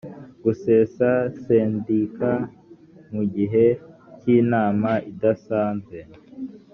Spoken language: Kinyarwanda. gusesa sendika mugihe cy inama idasanzwe